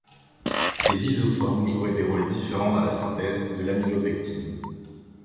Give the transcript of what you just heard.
Ces isoformes joueraient des rôles différents dans la synthèse de l'amylopectine.